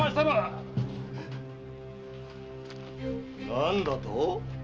何だと？